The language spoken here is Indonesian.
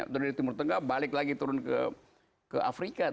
dari timur tengah balik lagi turun ke afrika